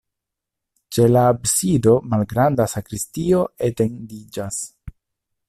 Ĉe la absido malgranda sakristio etendiĝas.